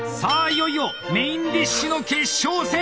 いよいよメインディッシュの決勝戦！